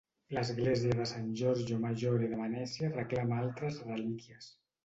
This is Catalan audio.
L'església de San Giorgio Maggiore de Venècia reclama altres relíquies.